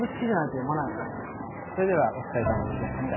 それではお疲れさまでございました。